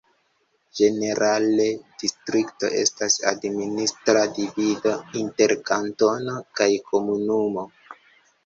Ĝenerale distrikto estas administra divido inter kantono kaj komunumo.